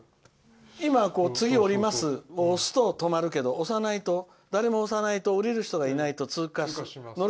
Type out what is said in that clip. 今、次降りますを押すと止まるけど誰も押さないと降りる人がいないと通過する。